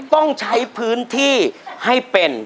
ต้องใช้พื้นที่ให้เป็น